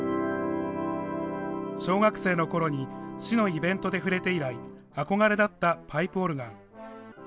小学生のころに市のイベントで触れて以来憧れだったパイプオルガン。